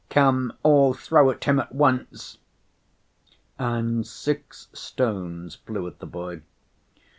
"Come, all throw at him at once!" and six stones flew at the boy.